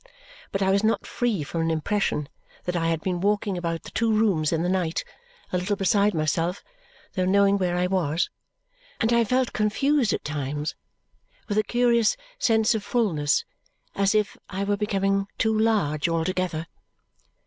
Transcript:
But I was not free from an impression that I had been walking about the two rooms in the night, a little beside myself, though knowing where I was; and I felt confused at times with a curious sense of fullness, as if I were becoming too large altogether.